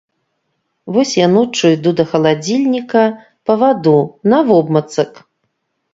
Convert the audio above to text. Вось я ноччу іду да халадзільніка па ваду навобмацак.